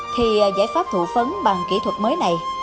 thì giải pháp thủ phấn bằng kỹ thuật mới này